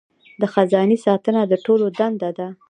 د خزانې ساتنه د ټولو دنده ده.